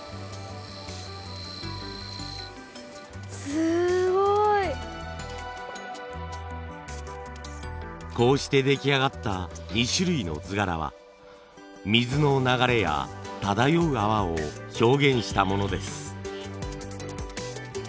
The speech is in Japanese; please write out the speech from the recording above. すごい！こうして出来上がった２種類の図柄は水の流れや漂う泡を表現したものです。